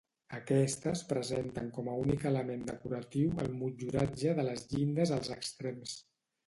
Aquestes presenten com a únic element decoratiu el motlluratge de les llindes als extrems.